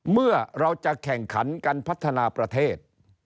เมื่อเราจะแข่งขันกันพัฒนาประเทศ